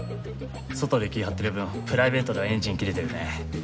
外で気ぃ張ってる分プライベートではエンジン切れてるね。